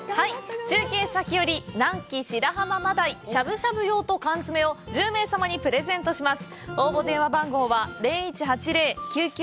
中継先より南紀白浜真鯛しゃぶしゃぶ用と缶詰を１０名様にプレゼントします。